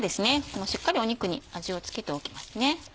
しっかり肉に味を付けておきます。